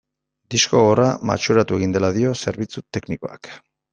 Disko gogorra matxuratu egin dela dio zerbitzu teknikoak.